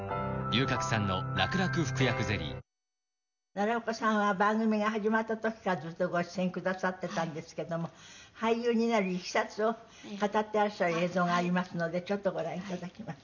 奈良岡さんは番組が始まった時からずっとご出演くださってたんですけども俳優になるいきさつを語ってらっしゃる映像がありますのでちょっとご覧いただきます。